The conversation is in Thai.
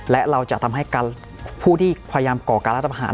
และเราจะทำให้ผู้ที่พยายามก่อการรัฐประหาร